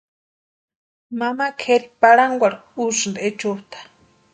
Mama kʼeri parhankwarhu úsïnti echutʼa.